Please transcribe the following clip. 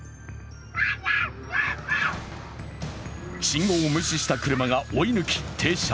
信号を無視した車が追い抜き停車。